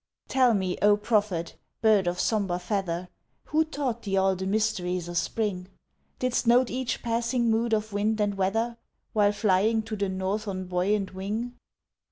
Tell me, 0 prophet, bird of sombre feather, Who taught thee all the mysteries of spring? Didst note each passing mood of wind and weather, While flying to the North on buoyant wing?